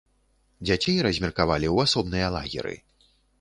Дзяцей размеркавалі ў асобныя лагеры.